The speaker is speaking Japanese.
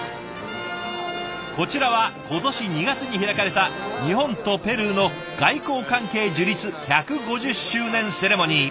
こちらは今年２月に開かれた日本とペルーの外交関係樹立１５０周年セレモニー。